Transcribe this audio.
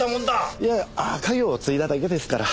いやあっ家業を継いだだけですから。